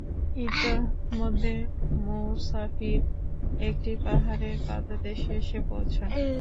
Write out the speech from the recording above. ইতোমধ্যে মুসাফির একটি পাহাড়ের পাদদেশে এসে পৌঁছান।